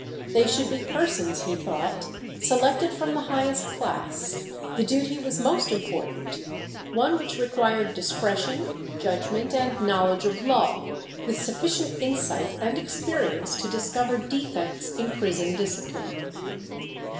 They should be persons, he thought, selected from the highest class; the duty was most important, one which required discretion, judgment, and knowledge of law, with sufficient insight and experience to discover defects in prison discipline.